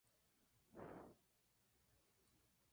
En las dos tardes que toreó en Madrid fueron silenciadas sus faenas.